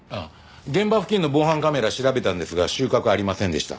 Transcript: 現場付近の防犯カメラ調べたんですが収穫はありませんでした。